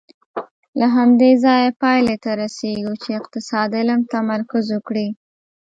له همدې ځایه پایلې ته رسېږو چې اقتصاد علم تمرکز وکړي.